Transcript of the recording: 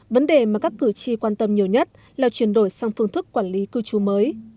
vấn đề mà các cử tri quan tâm nhiều nhất là chuyển đổi sang phương thức quản lý cư trú mới